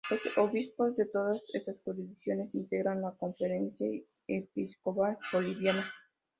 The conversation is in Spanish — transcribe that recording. Los obispos de todas estas jurisdicciones integran la Conferencia Episcopal Boliviana.